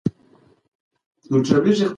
موږ به په ګډه د بې سوادۍ پر وړاندې جنګېږو.